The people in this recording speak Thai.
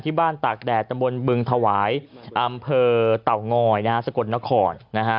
ที่บ้านตากแดดตำบลบึงถวายอำเภอเตางอยสะกดนคร